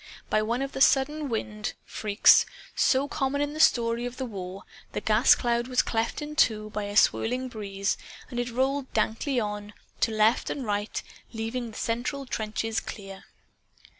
By one of the sudden wind freaks so common in the story of the war, the gas cloud was cleft in two by a swirling breeze, and it rolled dankly on, to right and left, leaving the central trenches clear.